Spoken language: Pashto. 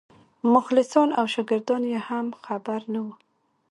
مخلصان او شاګردان یې هم خبر نه وو.